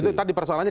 itu tadi persoalannya